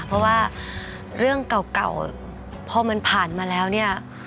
เพราะว่าเรื่องเก่าพอมันผ่านมาแล้วเนี่ย